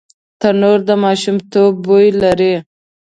تنور د ماشومتوب بوی لري